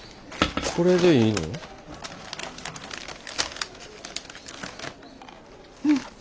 これでいいの？